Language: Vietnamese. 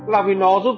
là vì nó giúp